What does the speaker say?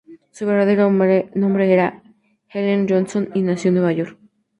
Su verdadero nombre era Helen Jonson, y nació en Nueva York.